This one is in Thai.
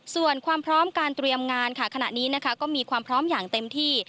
ส่วนความพร้อมการเตรียมงานค่ะขณะนี้นะคะก็มีความพร้อมอย่างเต็มที่